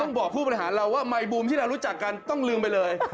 บอกผู้บริหารเราว่าไมบูมที่เรารู้จักกันต้องลืมไปเลย